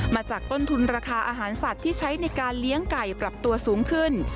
มาจากต้นทุนราคาอาหารสัตว์ที่ใช้ในการเลี้ยงไก่ปรับตัวสูงขึ้น